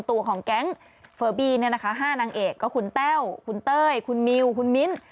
ตัวของแก๊งเฟอร์บีเนี่ยนะคะ๕นางเอกก็คุณแต้วคุณเต้ยคุณมิวคุณมิ้น